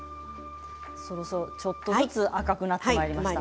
ちょっとずつ赤くなってまいりました。